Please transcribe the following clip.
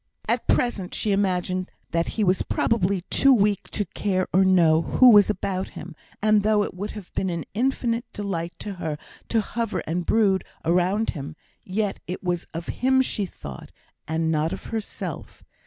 At present she imagined that he was probably too weak to care or know who was about him; and though it would have been an infinite delight to her to hover and brood around him, yet it was of him she thought and not of herself.